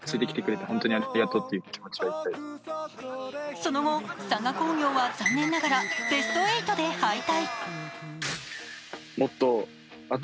その後、佐賀工業は残念ながらベスト８で敗退。